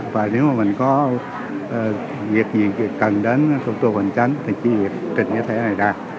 và nếu mình có việc gì cần đến thủ tục hành chính thì chỉ việc trình thẻ này ra